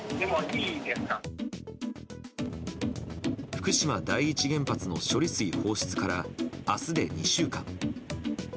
福島第一原発の処理水放出から明日で２週間。